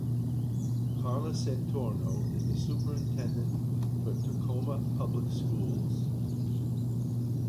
Carla Santorno is the superintendent for Tacoma Public Schools.